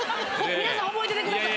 みなさん覚えててください。